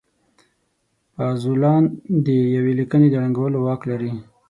پازوالان د يوې ليکنې د ړنګولو واک لري.